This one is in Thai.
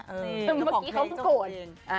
อิสมเมื่อกี้เขาโสด